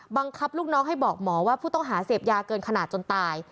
บังคับลูกน้องให้บอกหมอว่าผู้ต้องหาเสพยาเกินขนาดจนตาย